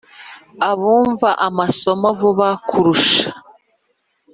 abumva amasomo vuba kurusha